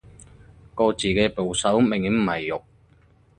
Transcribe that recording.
個字嘅部首明顯唔係肉